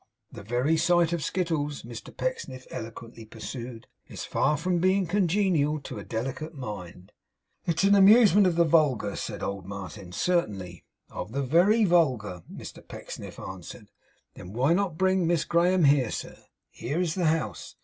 'The very sight of skittles,' Mr Pecksniff eloquently pursued, 'is far from being congenial to a delicate mind.' 'It's an amusement of the vulgar,' said old Martin, 'certainly.' 'Of the very vulgar,' Mr Pecksniff answered. 'Then why not bring Miss Graham here, sir? Here is the house.